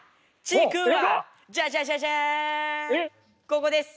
ここです。